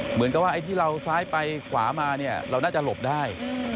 เหมือนกับว่าไอ้ที่เราซ้ายไปขวามาเนี่ยเราน่าจะหลบได้